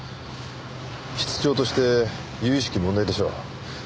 室長として由々しき問題でしょう。